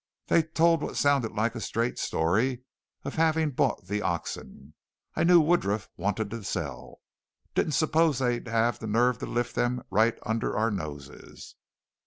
They told what sounded like a straight story of having bought the oxen. I knew Woodruff wanted to sell. Didn't suppose they'd have the nerve to lift them right under our noses.